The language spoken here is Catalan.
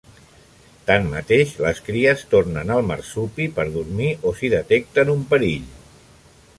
Tanmateix, les cries tornen al marsupi per dormir o si detecten un perill.